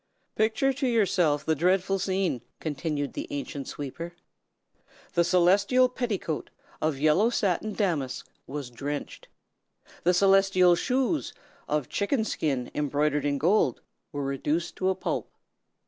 "Picture to yourself the dreadful scene!" continued the ancient sweeper. "The Celestial Petticoat, of yellow satin damask, was drenched. The Celestial Shoes, of chicken skin embroidered in gold, were reduced to a pulp.